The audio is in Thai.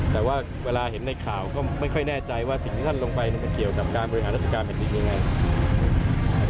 แต่ว่าเวลาเห็นในข่าวก็ไม่ค่อยแน่ใจว่าสิ่งที่ท่านลงไปมันเกี่ยวกับการบริหารราชการแผ่นดินยังไง